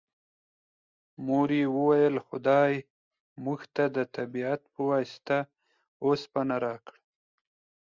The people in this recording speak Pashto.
مور یې وویل خدای موږ ته د طبیعت په واسطه اوسپنه راکړه